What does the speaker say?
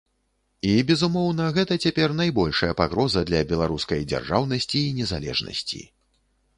І, безумоўна, гэта цяпер найбольшая пагроза для беларускай дзяржаўнасці і незалежнасці.